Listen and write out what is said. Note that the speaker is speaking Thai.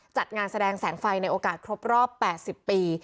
จัดงานแสดงแสงไฟในโอกาสครบรอบ๘๐ปี